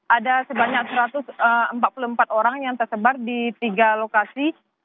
ada sebanyak satu ratus empat puluh empat orang yang tersebar di tiga lokasi